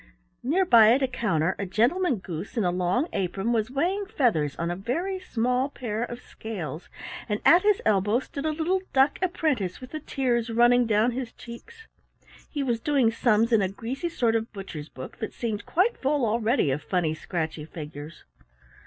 Near by at a counter a Gentleman Goose in a long apron was weighing feathers on a very small pair of scales, and at his elbow stood a little duck apprentice with the tears running down his cheeks. He was doing sums in a greasy sort of butcher's book that seemed quite full already of funny scratchy figures.